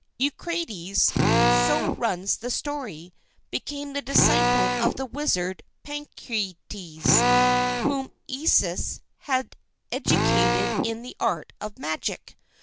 Eucrates, so runs the story, became the disciple of the wizard Pancrates, whom Isis had educated in the art of magic.